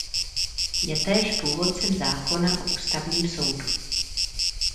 Je též původcem zákona o ústavním soudu.